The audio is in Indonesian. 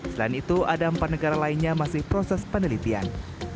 selain itu ada empat negara lainnya masih proses penelitian